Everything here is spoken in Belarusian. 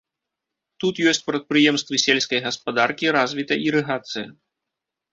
Тут ёсць прадпрыемствы сельскай гаспадаркі, развіта ірыгацыя.